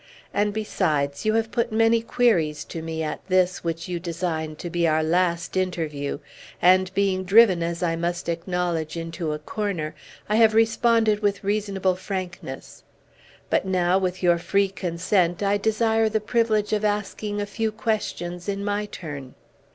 And, besides, you have put many queries to me at this, which you design to be our last interview; and being driven, as I must acknowledge, into a corner, I have responded with reasonable frankness. But now, with your free consent, I desire the privilege of asking a few questions, in my turn."